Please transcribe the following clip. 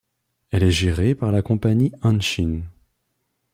Elle est gérée par la compagnie Hanshin.